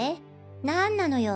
何なのよ？